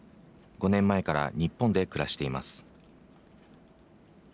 ５年前から日本で暮らしています。